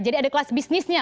jadi ada kelas bisnisnya